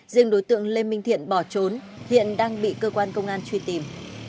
riêng đối tượng lê minh thiện bỏ trốn hiện đang bị cơ quan công an truy tìm